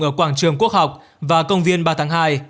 ở quảng trường quốc học và công viên ba tháng hai